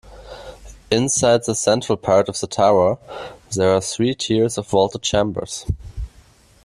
Inside the central part of the tower there are three tiers of vaulted chambers.